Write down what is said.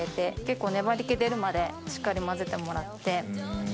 結構粘り気出るまでしっかり混ぜてもらって。